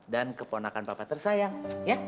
dan keponakan papa tersayang ya